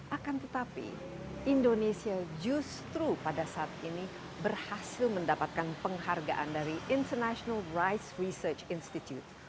akan tetapi indonesia justru pada saat ini berhasil mendapatkan penghargaan dari international rice research institute